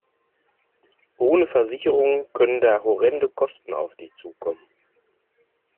Ohne Versicherung können da horrende Kosten auf dich zukommen.